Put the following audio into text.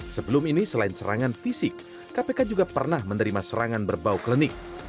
sebelum ini selain serangan fisik kpk juga pernah menerima serangan berbau klinik